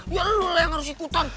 ya lu lah yang harus ikutan